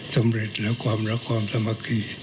สำเร็จและความรักความสามัคคี